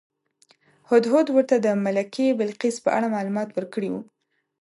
هدهد ورته د ملکې بلقیس په اړه معلومات ورکړي وو.